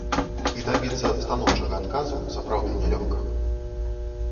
І дабіцца станоўчага адказу сапраўды нялёгка.